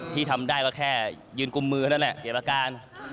ที่ทำได้ก็แค่ยืนกุมมือนั่นแหละเก็บอาการ